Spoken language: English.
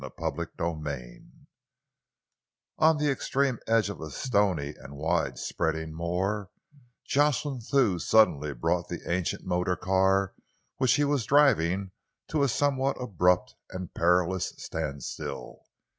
CHAPTER XXVII On the extreme edge of a stony and wide spreading moor, Jocelyn Thew suddenly brought the ancient motor car which he was driving to a somewhat abrupt and perilous standstill.